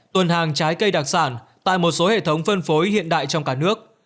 tuần hàng trái cây đặc sản tại một số hệ thống phân phối hiện đại trong cả nước